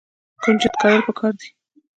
کنجد کرل پکار دي.